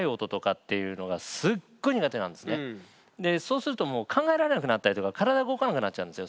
そうするともう考えられなくなったりとか体が動かなくなっちゃうんですよ。